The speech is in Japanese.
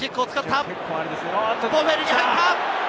ボフェリに入った！